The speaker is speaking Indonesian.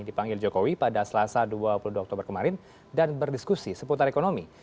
dipanggil jokowi pada selasa dua puluh dua oktober kemarin dan berdiskusi seputar ekonomi